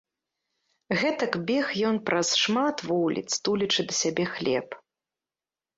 Гэтак бег ён праз шмат вуліц, тулячы да сябе хлеб.